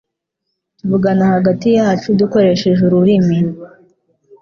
Tuvugana hagati yacu dukoresheje ururimi